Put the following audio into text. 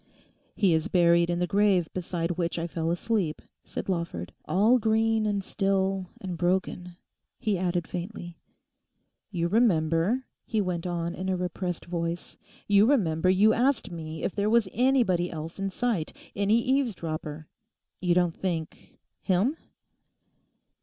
'He is buried in the grave beside which I fell asleep,' said Lawford; 'all green and still and broken,' he added faintly. 'You remember,' he went on in a repressed voice—'you remember you asked me if there was anybody else in sight, any eavesdropper? You don't think—him?